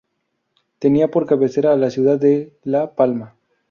Tenía por cabecera a la ciudad de La Palma.